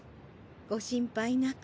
ご心配なく。